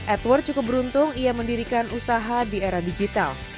edward cukup beruntung ia mendirikan usaha di era digital